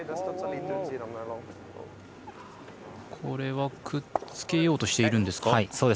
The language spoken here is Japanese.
これはくっつけようとしているんですか。